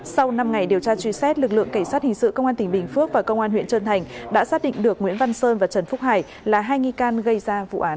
sau năm ngày điều tra truy xét lực lượng cảnh sát hình sự công an tỉnh bình phước và công an huyện trơn thành đã xác định được nguyễn văn sơn và trần phúc hải là hai nghi can gây ra vụ án